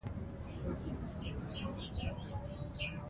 ماشومان د لوبو له لارې خپل شخصيت جوړوي.